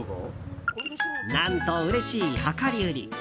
何とうれしい量り売り。